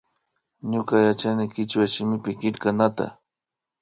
Ñuka yachani kichwa shimita killknata